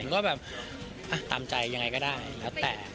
ก็แบบตามใจยังไงก็ได้แล้วแต่